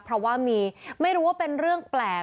เพราะว่ามีไม่รู้ว่าเป็นเรื่องแปลก